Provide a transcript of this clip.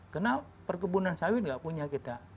karena perkebunan sawit nggak punya kita